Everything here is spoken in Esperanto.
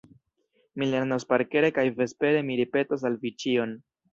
Mi lernos parkere kaj vespere mi ripetos al vi ĉion.